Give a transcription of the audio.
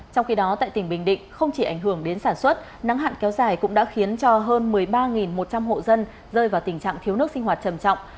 trong khi đó tại tỉnh bình định không chỉ ảnh hưởng đến sản xuất nắng hạn kéo dài cũng đã khiến cho hơn một mươi ba một trăm linh hộ dân rơi vào tình trạng thiếu nước sinh hoạt trầm trọng